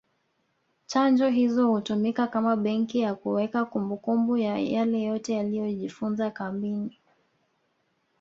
Chanjo hizo hutumika kama benki ya kuweka kumbukumbu ya yale yote aliyojifunza kambini